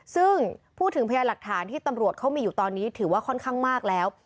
ซึ่งพูดถึงพยานหลักฐานที่ตำรวจเขามีอยู่ตอนนี้ถือว่าค่อนข้างมากแล้ว